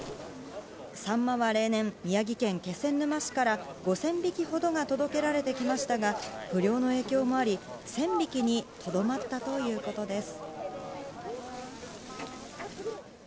サンマは例年、宮城県気仙沼市から５０００匹ほどが届けられてきましたが、不漁の影響もあり、１０００匹にとどまったということです。